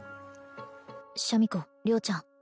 シャミ子良ちゃん